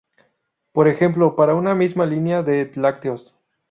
Por ejemplo, para una misma línea de lácteos.